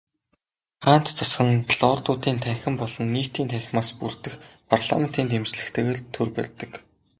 Хаант засаг нь Лордуудын танхим болон Нийтийн танхимаас бүрдэх парламентын дэмжлэгтэйгээр төр барьдаг.